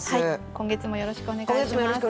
今月もよろしくお願いします。